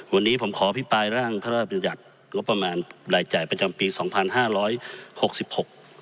วันนี้ผมขออภิปรายร่างพระราชบัญญัติงบประมาณรายจ่ายประจำปีสองพันห้าร้อยหกสิบหก